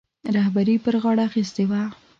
رهبري پر غاړه اخیستې وه.